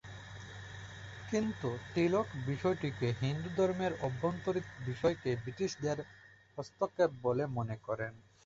কিন্তু তিলক বিষয়টিকে হিন্দুধর্মের অভ্যন্তরীণ বিষয়ে ব্রিটিশদের হস্তক্ষেপ বলে মনে করেন।